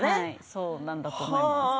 そうなんだと思います。